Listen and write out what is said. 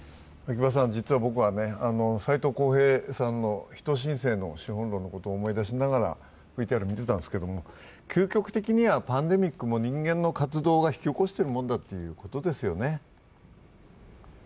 実は僕は斎藤幸平さんの「人新世の資本論」のことを思い出しながら思い出しながらＶＴＲを見ていたんですけど、究極的にはパンデミックも人間の活動が引き起こしているものですよね。